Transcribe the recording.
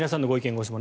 ・ご質問